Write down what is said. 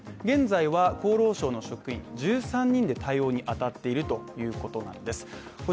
現在は厚生労働省の職員１３人で対応に当たっているということなんです。